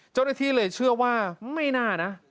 เจ้าหน้าที่เลยเชื่อว่าไม่น่านะ